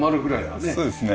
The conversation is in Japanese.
そうですね。